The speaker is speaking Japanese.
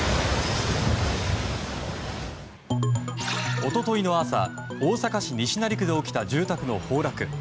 一昨日の朝大阪府西成区で起きた住宅の崩落。